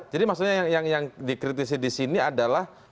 jadi maksudnya yang dikritisi di sini adalah